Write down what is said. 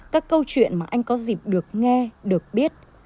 các câu chuyện mà anh có dịp được nghe được biết